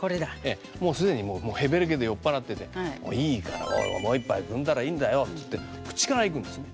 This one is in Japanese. もう既にもうへべれけで酔っ払ってて「いいからおいもう一杯くんだらいいんだよ」って口からいくんですね。